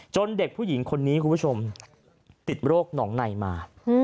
เด็กผู้หญิงคนนี้คุณผู้ชมติดโรคหนองในมา